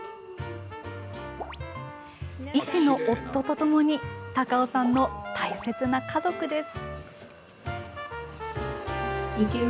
医師の夫とともに高尾さんの大切な家族です。